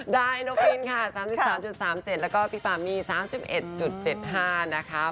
ได้โนครินค่ะ๓๓๓๗และก็พี่ปามี๓๑๗๕นะคะ